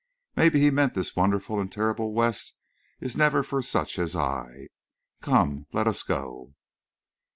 "Maybe he meant this wonderful and terrible West is never for such as I.... Come, let us go."